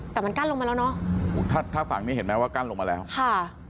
แต่มันกั้นลงมาแล้วเนอะถ้าถ้าฝั่งนี้เห็นไหมว่ากั้นลงมาแล้วค่ะ